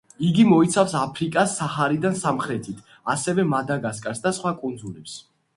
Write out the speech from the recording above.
იგი მოიცავს აფრიკას საჰარიდან სამხრეთით, ასევე მადაგასკარს და სხვა კუნძულებს.